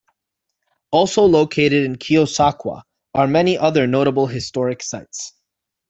Also located in Keosauqua are many other notable historic sites.